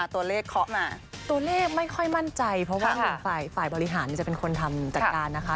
ตัวเลขไม่ค่อยมั่นใจเพราะฝ่ายบริหารจะเป็นคนทำวิธีจัดการนะคะ